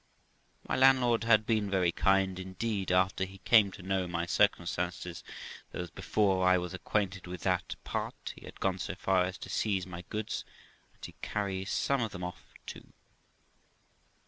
My landlord had been very kind indeed after he came to know my circumstances; though, before he was acquainted with that part, he had gone so far as to seize my goods, and to carry some of them off too.